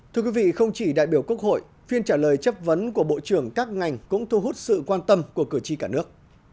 thưa quý vị không chỉ đại biểu quốc hội phiên trả lời chất vấn của bộ trưởng các ngành cũng thu hút sự quan tâm của cử tri cả nước